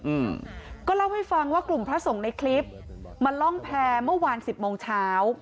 อืมก็เล่าให้ฟังว่ากลุ่มพระสงฆ์ในคลิปมาล่องแพร่เมื่อวานสิบโมงเช้า